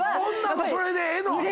女もそれでええの？